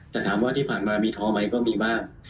แต่ถามว่าที่ผ่านมามีท้อไหมก็มีบ้าง